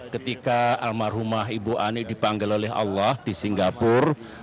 ketika almarhumah ibu ani dipanggil oleh allah di singapura